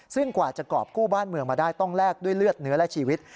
ซึ่งกว่าจะกรอบกู้บ้านเมืองมาได้ต้องแลกด้วยเลือดเนื้อและชีวิต